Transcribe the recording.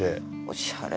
おしゃれ。